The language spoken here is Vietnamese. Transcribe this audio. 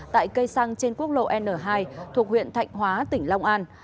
tại cây xăng trên quốc lộ n hai thuộc huyện thạnh hóa tỉnh long an